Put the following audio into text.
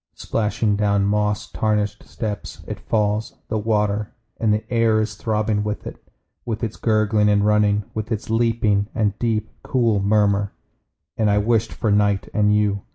Splashing down moss tarnished steps It falls, the water; And the air is throbbing with it. With its gurgling and running. With its leaping, and deep, cool murmur. And I wished for night and you.